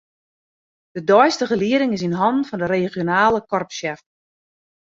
De deistige lieding is yn hannen fan de regionale korpssjef.